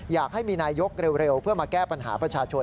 อยากให้มีนายกเร็วเพื่อมาแก้ปัญหาประชาชน